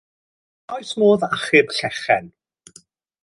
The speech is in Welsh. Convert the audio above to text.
A oes modd achub Llechen?